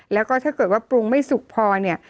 แล้วก็ถ้าเกิดว่าปรุงไม่สุกพอเนี่ย